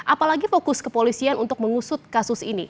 apalagi fokus kepolisian untuk mengusut kasus ini